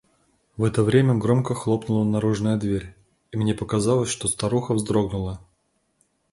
В это время громко хлопнула наружная дверь, и мне показалось, что старуха вздрогнула.